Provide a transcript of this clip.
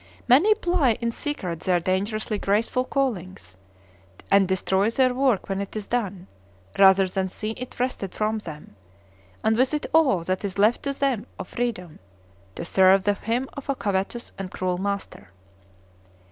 Many ply in secret their dangerously graceful callings, and destroy their work when it is done, rather than see it wrested from them, and with it all that is left to them of freedom, to serve the whim of a covetous and cruel master.